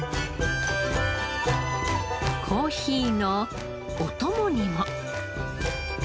コーヒーのお供にも。